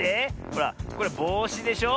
ほらこれぼうしでしょ。